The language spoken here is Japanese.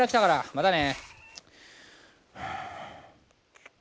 またね。